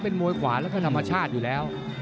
เป็นมวยขวาแล้วก็ธรรมชาติอยู่แล้ว